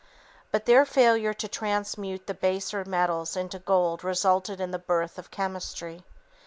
But their failure to transmute the baser metals into gold resulted in the birth of chemistry.